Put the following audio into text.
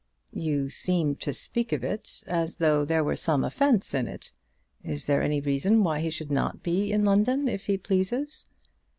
"You seem to speak of it as though there were some offence in it. Is there any reason why he should not be in London if he pleases?"